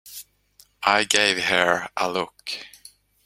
I gave her a look.